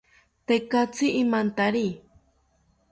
Tekatzi imantari